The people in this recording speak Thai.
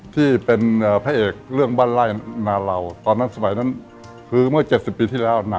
ที่เป็นพระเอกเรื่องบ้านไล่นาเหล่าตอนนั้นสมัยนั้นคือเมื่อ๗๐ปีที่แล้วนะ